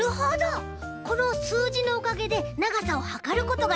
このすうじのおかげでながさをはかることができるんですね。